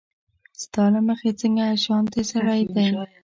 ستا له مخې څنګه شانتې سړی دی